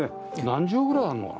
何畳ぐらいあるのかな？